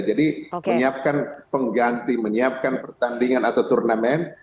jadi menyiapkan pengganti menyiapkan pertandingan atau turnamen